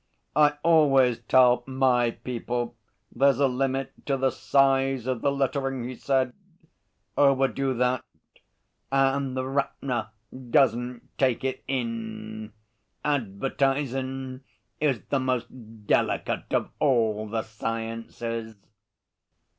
'I always tell My people there's a limit to the size of the lettering,' he said. 'Overdo that and the ret'na doesn't take it in. Advertisin' is the most delicate of all the sciences.'